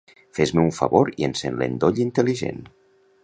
Fes-me un favor i encén l'endoll intel·ligent.